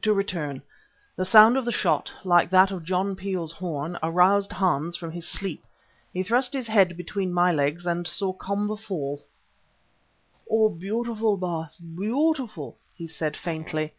To return: the sound of the shot, like that of John Peel's horn, aroused Hans from his sleep. He thrust his head between my legs and saw Komba fall. "Oh! beautiful, Baas, beautiful!" he said faintly.